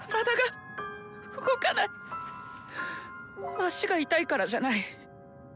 足が痛いからじゃない。